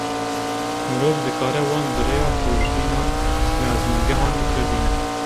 Mirov dikare wan bi rêya hûrbînan li ezmûngehan bibîne.